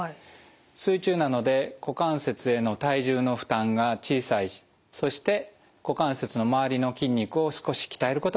水中なので股関節への体重の負担が小さいしそして股関節の周りの筋肉を少し鍛えることができます。